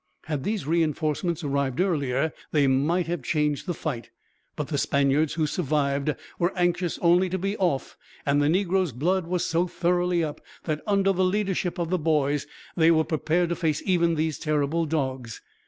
Had these reinforcements arrived earlier, they might have changed the fight; but the Spaniards who survived were anxious only to be off, and the negroes' blood was so thoroughly up that, under the leadership of the boys, they were prepared to face even these terrible dogs.